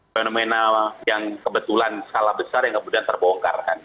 fenomena yang kebetulan skala besar yang kemudian terbongkar kan